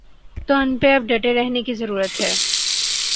تو ان پہ اب ڈٹے رہنے کی ضرورت ہے۔